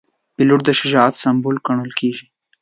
پیلوټ د شجاعت سمبول ګڼل کېږي.